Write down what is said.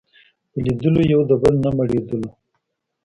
په لیدلو یو د بل نه مړېدلو